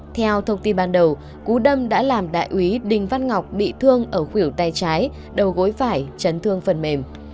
theo thông tin ban đầu cú đâm đã làm đại úy đình văn ngọc bị thương ở khuyểu tay trái đầu gối phải chấn thương phần mềm